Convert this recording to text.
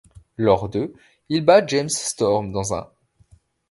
Lors de ', il bat James Storm dans un '.